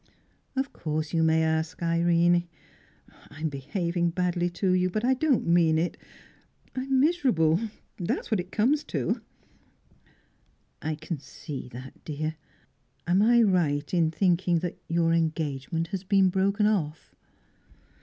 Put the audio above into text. "Of course you may ask Irene. I'm behaving badly to you, but I don't mean it. I'm miserable that's what it comes to." "I can see that, dear. Am I right in thinking that your engagement has been broken off?"